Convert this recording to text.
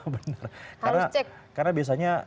biar kita mau cek atau enggak